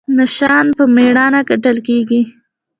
نشان په میړانه ګټل کیږي